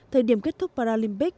thời điểm kết thúc paralympic